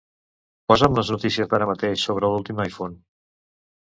Posa'm les notícies d'ara mateix sobre l'últim iPhone.